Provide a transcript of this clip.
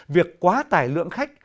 việc quá tải lượng khách